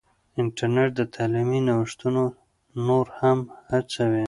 انټرنیټ تعلیمي نوښتونه نور هم هڅوي.